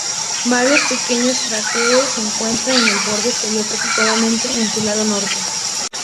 Varios pequeños cráteres se encuentran en el borde exterior, particularmente en su lado norte.